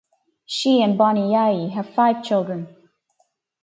She and Boni Yayi have five children.